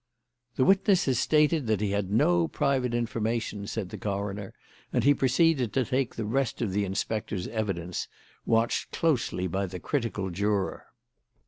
"The witness has stated that he had no private information," said the coroner; and he proceeded to take the rest of the inspector's evidence, watched closely by the critical juror.